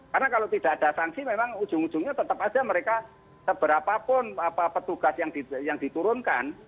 karena kalau tidak ada sanksi memang ujung ujungnya tetap saja mereka seberapapun petugas yang diturunkan